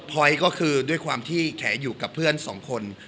พอยก็คือด้วยความที่แขอยู่กับเพื่อนสองคน